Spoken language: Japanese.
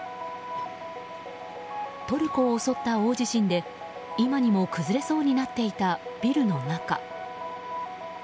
トルコを襲った大地震で今にも崩れそうになっていたビルの中。